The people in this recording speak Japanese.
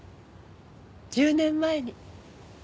１０年前に。